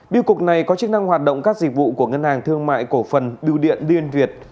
biêu cục này có chức năng hoạt động các dịch vụ của ngân hàng thương mại cổ phần biêu điện liên việt